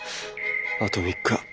あと３日。